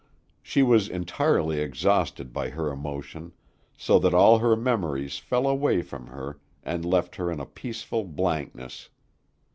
She was entirely exhausted by her emotion, so that all her memories fell away from her and left her in a peaceful blankness.